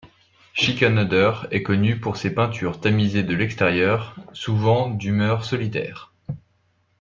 Schikaneder est connu pour ses peintures tamisées de l'extérieur, souvent d'humeur solitaire.